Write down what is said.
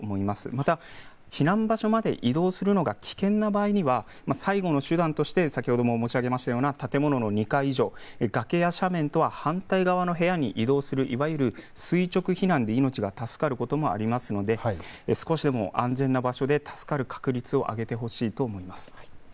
また避難場所まで移動するのが危険な場合には最後の手段として先ほども申し上げましたような建物の２階以上、崖や斜面とは反対側の部屋に移動するいわゆる垂直避難で命が助かることもありますので少しでも安全な場所で助かる確率を上げてほしいと思います。